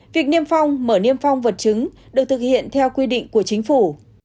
việc niêm phong mở niêm phong vật chứng được thực hiện theo quy định của chính phủ